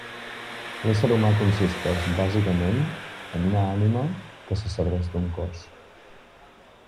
L'ésser humà consisteix, bàsicament, en una ànima que se serveix d'un cos.